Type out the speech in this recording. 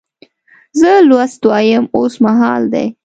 زه لوست وایم اوس مهال دی.